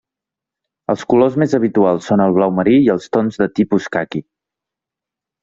Els colors més habituals són el blau marí i els tons de tipus caqui.